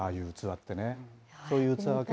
ああいう器ってね。